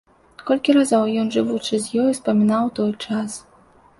Колькі разоў ён, жывучы з ёю, успамінаў той час.